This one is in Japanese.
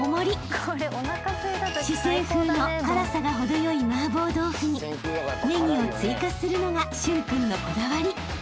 ［四川風の辛さが程よいマーボー豆腐にネギを追加するのが駿君のこだわり］